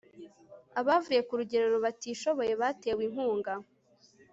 abavuye ku rugerero batishoboye batewe inkunga